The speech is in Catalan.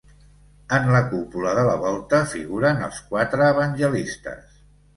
En la cúpula de la volta figuren els quatre evangelistes.